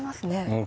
うん。